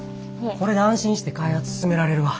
これで安心して開発進められるわ。